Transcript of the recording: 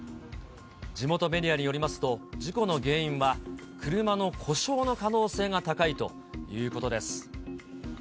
地元メディアによりますと、事故の原因は、車の故障の可能性が高いということです。